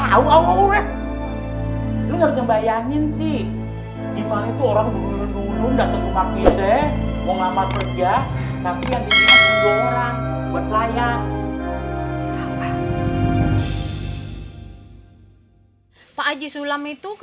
aduh auh auh auh